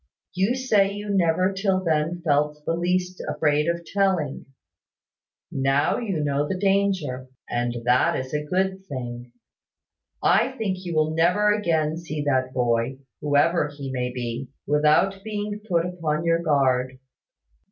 You say you never till then felt the least afraid of telling. Now you know the danger; and that is a good thing. I think you will never again see that boy (whoever he may be), without being put upon your guard.